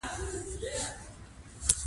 ښتې د افغانانو د ګټورتیا برخه ده.